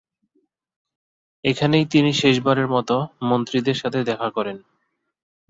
এখানেই তিনি শেষবারের মত মন্ত্রীদের সাথে দেখা করেন।